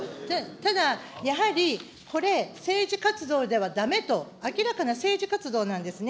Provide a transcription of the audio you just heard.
ただ、やはりこれ、政治活動ではだめと、明らかな政治活動なんですね。